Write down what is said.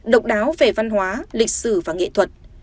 độc đáo về văn hóa lịch sử và nghệ thuật